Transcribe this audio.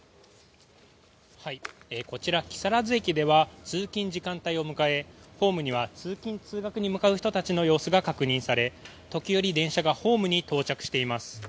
こちら、木更津駅では通勤時間帯を迎えホームには通勤・通学に向かう人たちの姿が確認され時折、電車がホームに到着しています。